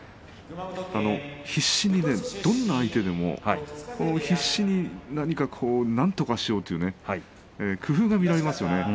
必死にどんな相手でも必死になんとかしようという工夫が見られますよね